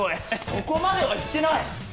そこまではいってない！